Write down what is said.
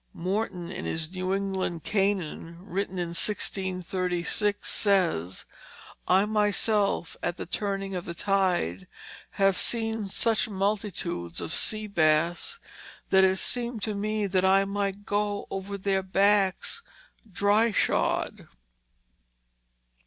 Morton, in his New England Canaan, written in 1636, says, "I myself at the turning of the tyde have seen such multitudes of sea bass that it seemed to me that one might goe over their backs dri shod."